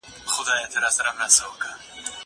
زه پرون بازار ته ځم وم!